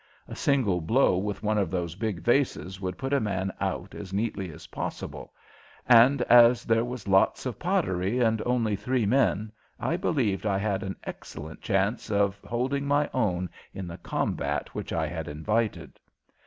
A single blow with one of those big vases would put a man out as neatly as possible, and as there was lots of pottery and only three men I believed I had an excellent chance of holding my own in the combat which I had invited.